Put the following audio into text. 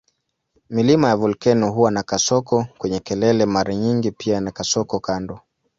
Milima ya volkeno huwa na kasoko kwenye kelele mara nyingi pia na kasoko kando.